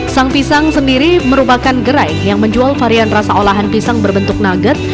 sang pisang sendiri merupakan gerai yang menjual varian rasa olahan pisang berbentuk nugget